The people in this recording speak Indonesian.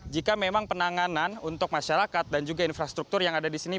jika memang penanganan untuk masyarakat dan juga infrastruktur yang ada di sini